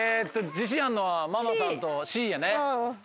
自信あるのはママさんとのＣやね。